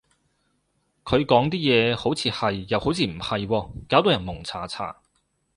佢講啲嘢，好似係，又好似唔係喎，搞到人矇查查